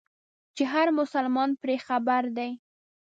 چې هر مسلمان پرې خبر دی.